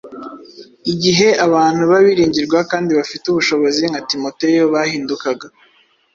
Igihe abantu b’abiringirwa kandi bafite ubushobozi nka Timoteyo bahindukaga,